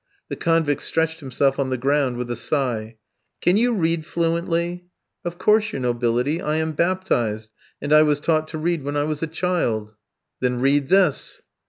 The convict stretched himself on the ground with a sigh. "Can you read fluently?" "Of course, your nobility; I am baptized, and I was taught to read when I was a child." "Then read this."